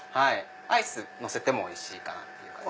アイスのせてもおいしいかなっていう。